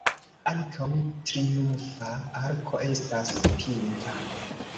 Ankaŭ triumfa arko estas pinta.